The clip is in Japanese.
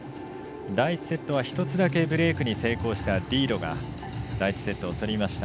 第１セットは１つだけブレークに成功したリードが第１セットを取りました。